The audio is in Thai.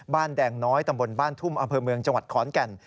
แดงน้อยตำบลบ้านทุ่มอำเภอเมืองจังหวัดขอนแก่น